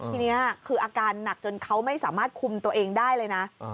ทีนี้คืออาการหนักจนเขาไม่สามารถคุมตัวเองได้เลยนะ